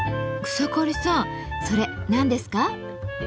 草刈さんそれ何ですか？